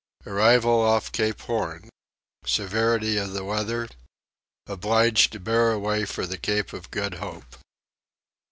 Arrival off Cape Horn. Severity of the Weather. Obliged to bear away for the Cape of Good Hope.